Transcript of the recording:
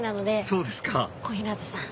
そうですか小日向さん。